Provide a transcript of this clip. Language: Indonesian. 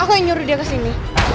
aku yang nyuruh dia kesini